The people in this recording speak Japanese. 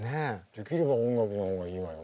できれば音楽の方がいいわよ。